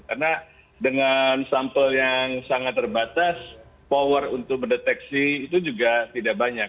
karena dengan sampel yang sangat terbatas power untuk mendeteksi itu juga tidak banyak